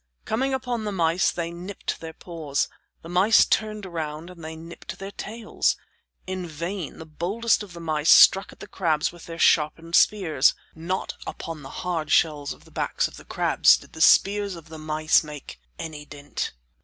Coming upon the mice they nipped their paws. The mice turned around and they nipped their tails. In vain the boldest of the mice struck at the crabs with their sharpened spears. Not upon the hard shells on the backs of the crabs did the spears of the mice make any dint.